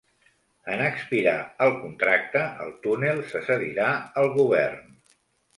En expirar el contracte, el túnel se cedirà al govern.